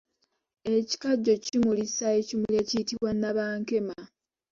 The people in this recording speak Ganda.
Ekikajjo kimulisa ekimuli ekiyitibwa nabankema.